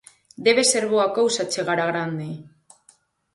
Debe ser boa cousa chegar a grande.